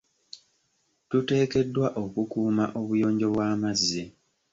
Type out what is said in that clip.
Tuteekeddwa okukuuma obuyonjo bw'amazzi.